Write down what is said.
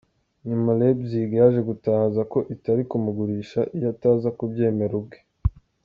Nyuma Leipzig yaje gutangaza ko itari kumugurisha iyo ataza kubyemera ubwe.